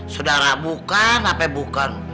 sudara bukan apa bukan